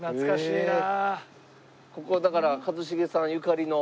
ここはだから一茂さんゆかりの。